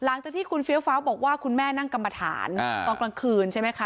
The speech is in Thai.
หลังจากที่คุณเฟี้ยวฟ้าบอกว่าคุณแม่นั่งกรรมฐานตอนกลางคืนใช่ไหมคะ